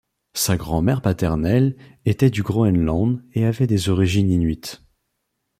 Sa grand-mère paternelle était du Groenland et avait des origines inuits.